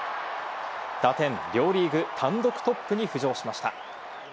打点、両リーグ単独トップに浮上しました。